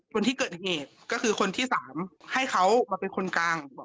คนที่เกิดเหตุก็คือคนที่๓ให้เขามาเป็นคนกลาง